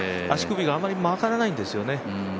足首があんまり曲がらないんですね。